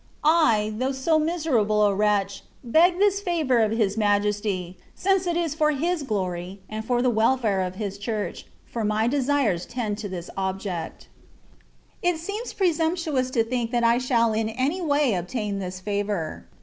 I, though so miserable a wretch, beg this favour of His Majesty, since it is for His glory, and for the welfare of His Church, for my desires tend to this object. It seems presumptuous to think that I shall in any way obtain this favour.